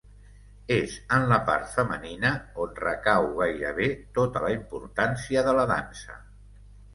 És en la part femenina on recau gairebé tota la importància de la dansa.